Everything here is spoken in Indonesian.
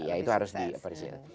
ya itu harus dipercaya